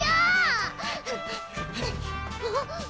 あっ？